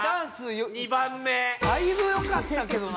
２番目だいぶよかったけどな